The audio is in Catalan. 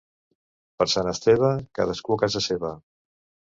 Per Sant Esteve, cadascú a casa seva.